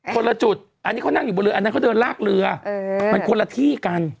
คนละจุดอันนี้เขานั่งอยู่บนเรืออันนั้นเขาเดินลากเรือมันคนละที่กัน